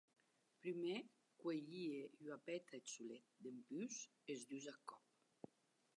Prumèr cuelhie ua peta eth solet, dempús es dus ath còp.